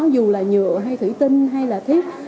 dù là nhựa hay thủy tinh hay là thiết